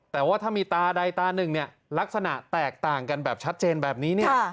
แต่ว่าถ้ามีตาใดตาหนึ่งเนี่ยลักษณะแตกต่างกันแบบชัดเจนแบบนี้เนี่ย